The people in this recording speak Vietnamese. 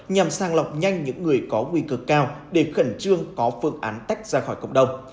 nhằm sang lọc nhanh những người có nguy cơ cao để khẩn trương có phương án tách ra khỏi cộng đồng